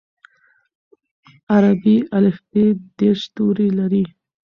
عربي الفبې دېرش توري لري.